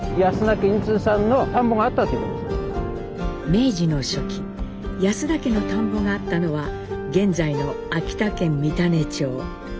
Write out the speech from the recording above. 明治の初期安田家の田んぼがあったのは現在の秋田県三種町。